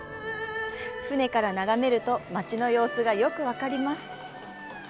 舟から眺めると街の様子がよく分かります。